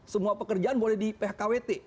semua pekerjaan boleh di phkwt